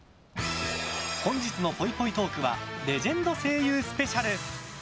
本日のぽいぽいトークはレジェンド声優スペシャル！